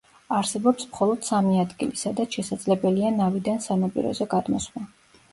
არსებობს მხოლოდ სამი ადგილი, სადაც შესაძლებელია ნავიდან სანაპიროზე გადმოსვლა.